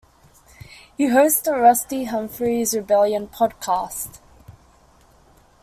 He hosts the "Rusty Humphries Rebellion" podcast.